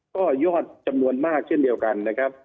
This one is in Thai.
ก็ยอดจำนวนมากเช่นเดียวกันนะครับ